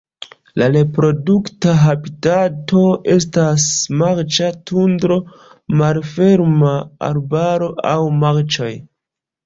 La reprodukta habitato estas marĉa tundro, malferma arbaro aŭ marĉoj.